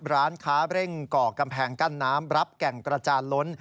ร้านค้าเร่งก่อกำแพงกั้นน้ำรับแก่งกระจานล้น